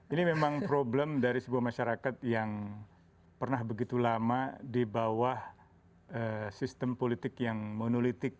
ini memang problem dari sebuah masyarakat yang pernah begitu lama di bawah sistem politik yang monolitik